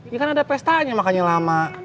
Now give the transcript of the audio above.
ya kan ada pesta aja makanya lama